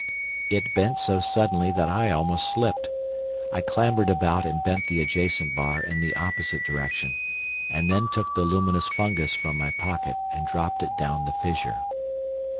It bent so suddenly that I almost slipped. I clambered about and bent the adjacent bar in the opposite direction, and then took the luminous fungus from my pocket and dropped it down the fissure.